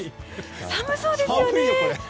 寒そうですよね。